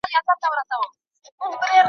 یو دي زه یم په یارۍ کي نور دي څو نیولي دینه.